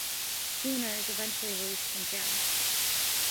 Guna is eventually released from jail.